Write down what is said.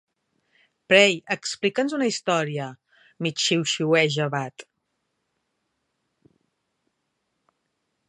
"Pray explica'ns una història", mig xiuxiueja Watt.